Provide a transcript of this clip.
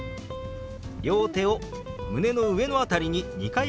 両手を胸の上の辺りに２回ほど当てます。